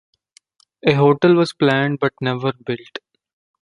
A hotel was planned but never built.